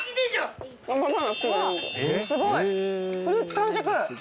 ・すごいフルーツ完食。